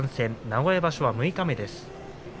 名古屋場所は六日目です。